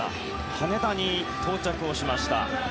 羽田に到着をしました。